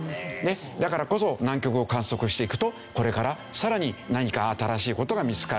だからこそ南極を観測していくとこれからさらに何か新しい事が見つかる。